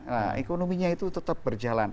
nah ekonominya itu tetap berjalan